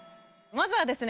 まずはですね